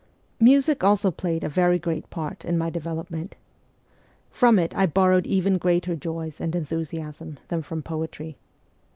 Music also played a very great part in my develop ment. From it I borrowed even greater joys and enthusiasm than from poetry.